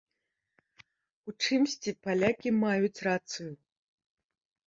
У чымсьці палякі маюць рацыю.